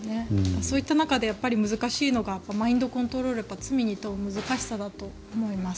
そういった中で難しいのがマインドコントロールを罪に問う難しさだと思います。